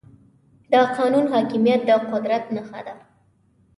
د قانون حاکميت د قدرت نښه ده.